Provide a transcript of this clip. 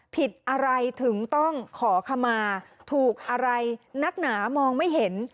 ผิดอะไรถึงต้องขอขมาถูกอะไรนักหนามองไม่เห็น